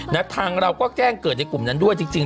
ทางเราก็แจ้งเกิดในกลุ่มนั้นด้วยจริง